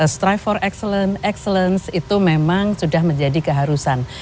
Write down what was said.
strip for excellence itu memang sudah menjadi keharusan